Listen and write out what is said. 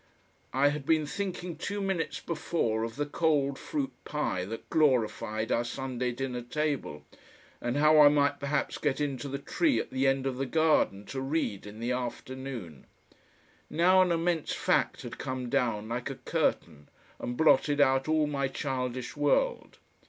I had been thinking two minutes before of the cold fruit pie that glorified our Sunday dinner table, and how I might perhaps get into the tree at the end of the garden to read in the afternoon. Now an immense fact had come down like a curtain and blotted out all my childish world.